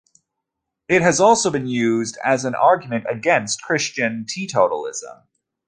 It has also been used as an argument against Christian teetotalism.